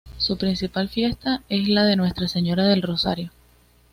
Su principal fiesta es la de Nuestra Señora del Rosario.